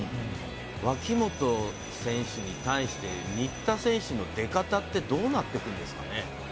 脇本選手に対して新田選手の出方ってどうなってくるんですかね。